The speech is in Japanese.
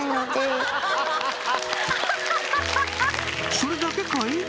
それだけかい？